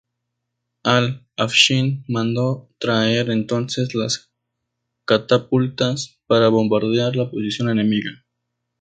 Al-Afshin mandó traer entonces las catapultas para bombardear la posición enemiga.